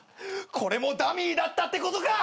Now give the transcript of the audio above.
これもダミーだったってことか！